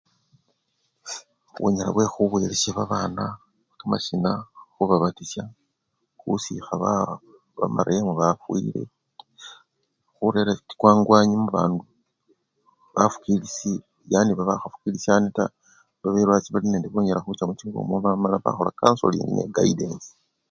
Bunyala bwekhuwelesya babana kamasina khubabatisya khusikha baa! bamarekhemu bafwile, khurera chikwangwanyi muba! bafukilisyi yani babakhafukilisyane taa, babelwachi bali nende bunyala khucha muchingo echo mala bakhola kansolingi nende kayidensi.